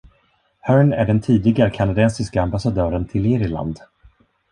Hearn är den tidigare kanadensiska ambassadören till Irland.